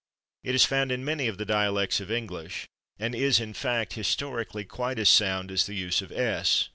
It is found in many of the dialects of English, and is, in fact, historically quite as sound as the use of /s